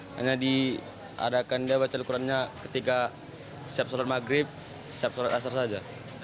hanya diadakan dia baca al qurannya ketika siap sholat maghrib siap sholat asar saja